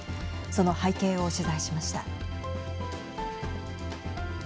その背景を取材しました。